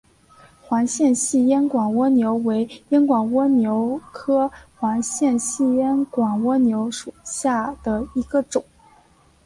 环线细烟管蜗牛为烟管蜗牛科环线细烟管蜗牛属下的一个种。